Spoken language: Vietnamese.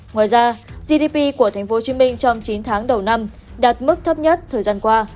ngoài ra gdp của thành phố hồ chí minh trong chín tháng đầu năm đạt mức thấp nhất thời gian qua